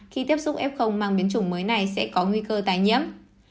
khi tiếp xúc f mang biến chủng mới này sẽ có nguy cơ tái nhiễm